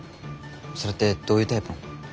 それってどういうタイプの？